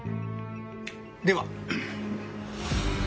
では。